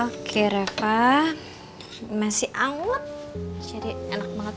oke reva masih angut jadi enak banget